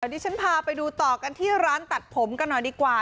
ดิฉันพาไปดูต่อกันที่ร้านตัดผมกันหน่อยดีกว่า